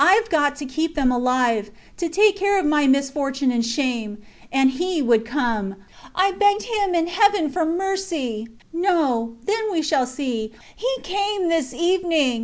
. Ive got to keep them alive to take care of my misfortune and shame. And he would come. I begged him and Heaven for mercy. ... No! ... Then we shall see. ... He came this evening.